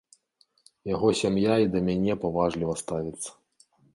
Яго сям'я і да мяне паважліва ставіцца.